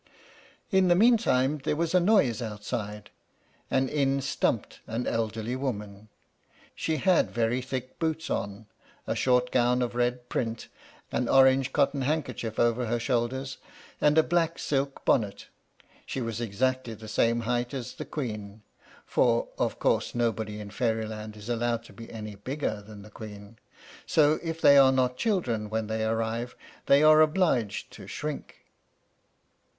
In the meantime there was a noise outside, and in stumped an elderly woman. She had very thick boots on, a short gown of red print, an orange cotton handkerchief over her shoulders, and a black silk bonnet. She was exactly the same height as the Queen, for of course nobody in Fairyland is allowed to be any bigger than the Queen; so, if they are not children when they arrive, they are obliged to shrink.